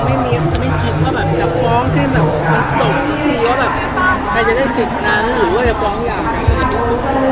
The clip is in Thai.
ไม่ใจแต่ยังไม่มี